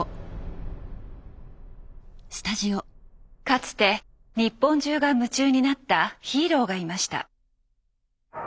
かつて日本中が夢中になったヒーローがいました。